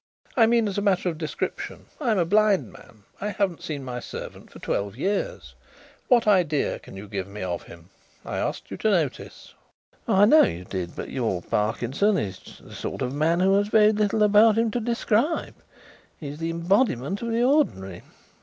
"I mean as a matter of description. I am a blind man I haven't seen my servant for twelve years what idea can you give me of him? I asked you to notice." "I know you did, but your Parkinson is the sort of man who has very little about him to describe. He is the embodiment of the ordinary.